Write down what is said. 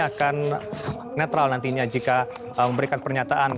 akan netral nantinya jika memberikan pernyataan